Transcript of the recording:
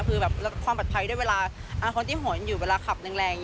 คือแบบความปลอดภัยด้วยเวลาคนที่หวนอยู่เวลาขับแรง